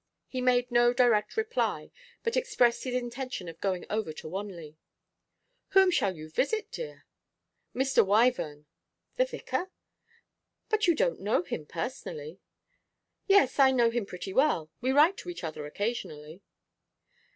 He made no direct reply, but expressed his intention of going over to Wanley. 'Whom shall you visit, dear?' 'Mr. Wyvern.' 'The vicar? But you don't know him personally.' 'Yes, I know him pretty well. We write to each other occasionally.